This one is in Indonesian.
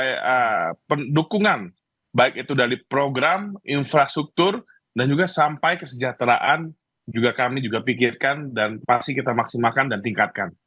sebagai pendukungan baik itu dari program infrastruktur dan juga sampai kesejahteraan juga kami juga pikirkan dan pasti kita maksimalkan dan tingkatkan